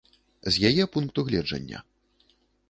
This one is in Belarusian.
З яе пункту гледжання.